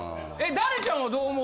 ダレちゃんはどう思う？